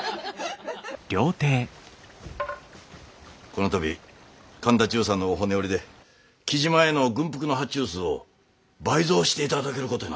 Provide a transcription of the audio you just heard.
この度神田中佐のお骨折りで雉真への軍服の発注数を倍増していただけることになったんじゃ。